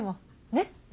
ねっ。